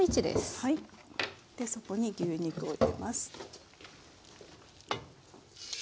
でそこに牛肉を入れます。